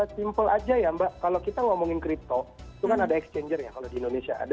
simple aja ya mbak kalau kita ngomongin crypto itu kan ada exchangernya kalau di indonesia ada